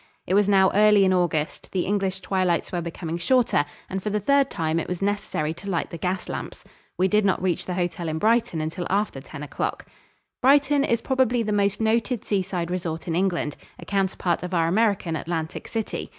It was now early in August; the English twilights were becoming shorter, and for the third time it was necessary to light the gas lamps. We did not reach the hotel in Brighton until after ten o'clock. Brighton is probably the most noted seaside resort in England a counterpart of our American Atlantic City.